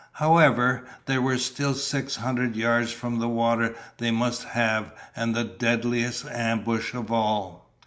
However, they were still six hundred yards from the water they must have and the deadliest ambush of all.